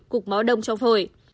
cục máu đông trong phổi